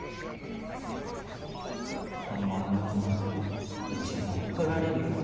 このままだとうち乗っ取られるよ。